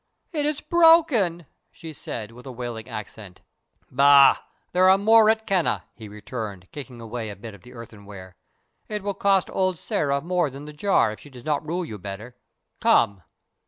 "It is broken!" she said, with a wailing accent. "Bah! there are more at Keneh," he returned, kicking away a bit of the earthenware. "It will cost old Sĕra more than the jar if she does not rule you better. Come!"